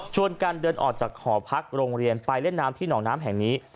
การเดินออกจากหอพักโรงเรียนไปเล่นน้ำที่หนองน้ำแห่งนี้